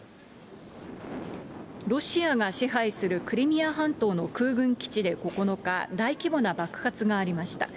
ロシアが支配するクリミア半島の空軍基地で９日、大規模な爆発がありました。